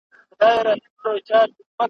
ويل كښېنه د كور مخي ته جنجال دئ ,